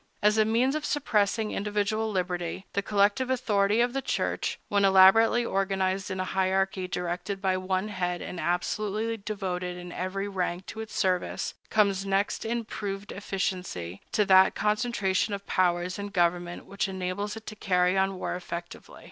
As a means of suppressing individual liberty, the collective authority of the Church, when elaborately organized in a hierarchy directed by one head and absolutely devoted in every rank to its service, comes next in proved efficiency to that concentration of powers in government which enables it to carry on war effectively.